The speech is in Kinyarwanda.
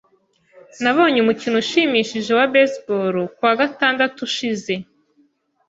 Nabonye umukino ushimishije wa baseball kuwa gatandatu ushize.